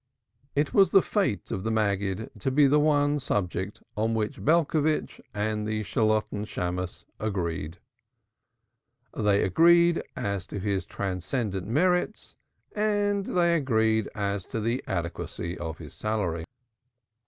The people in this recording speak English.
It was the fate of the Maggid to be the one subject on which Belcovitch and the Shalotten Shammos agreed. They agreed as to his transcendent merits and they agreed as to the adequacy of his salary.